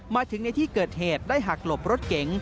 มาถึงในที่เกิดเหตุได้หักหลบรถเก๋ง